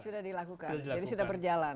sudah dilakukan jadi sudah berjalan